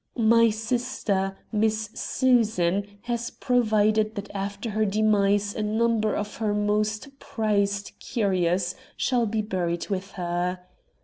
My sister, Miss Susan, has provided that after her demise a number of her most prized curios shall be buried with her.